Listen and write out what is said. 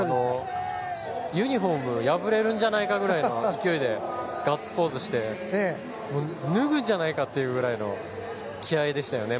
ユニホームが破れるんじゃないかぐらいの勢いでガッツポーズをして脱ぐんじゃないかというぐらいの気合でしたよね。